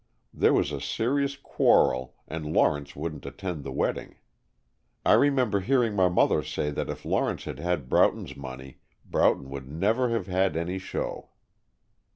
There was a serious quarrel, and Lawrence wouldn't attend the wedding. I remember hearing my mother say that if Lawrence had had Broughton's money, Broughton would never have had any show."